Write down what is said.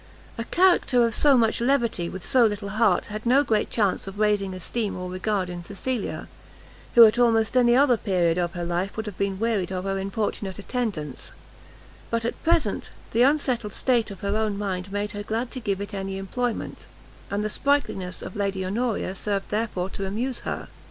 A character of so much levity with so little heart had no great chance of raising esteem or regard in Cecilia, who at almost any other period of her life would have been wearied of her importunate attendance; but at present, the unsettled state of her own mind made her glad to give it any employment, and the sprightliness of Lady Honoria served therefore to amuse her.